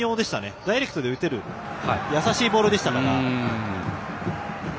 ダイレクトで打てる優しいボールでしたから。